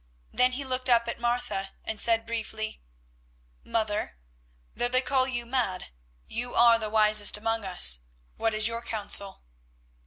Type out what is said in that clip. Then he looked up at Martha and said briefly: "Mother, though they call you mad, you are the wisest among us; what is your counsel?"